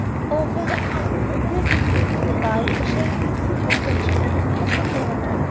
"Oh, very fine! years indeed! Why, I shall be a seedy old bachelor! That would never do!